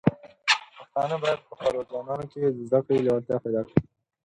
پښتانه بايد په خپلو ځوانانو کې د زده کړې لیوالتیا پيدا کړي.